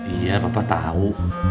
iya papa tau